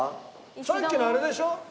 さっきのあれでしょ？